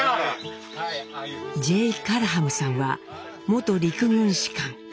ジェイ・カラハムさんは元陸軍士官。